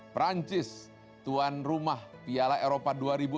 perancis tuan rumah piala eropa dua ribu enam belas